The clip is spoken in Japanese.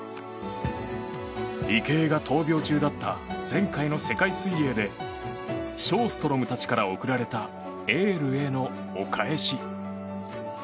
池江が闘病中だった前回の世界水泳でショーストロムたちから送られたエールへのお返し。